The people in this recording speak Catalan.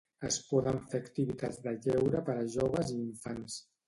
Es poden fer activitats de lleure per a joves i infants.